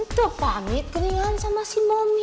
tuh pamit keringan sama si suami